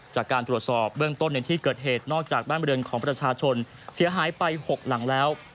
จากการตรวจสอบเบื้องต้นในที่เกิดเหตุนอกจากบ้านบริเวณของประชาชนเสียหายไป๖หลังแล้ว